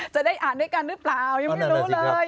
จะได้อ่านด้วยกันหรือเปล่ายังไม่รู้เลย